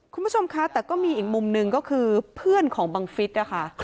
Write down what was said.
คุณผู้ชมคะแต่ก็มีอีกมุมหนึ่งก็คือเพื่อนของบังฟิศนะคะ